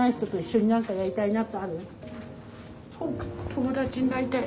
友達になりたい。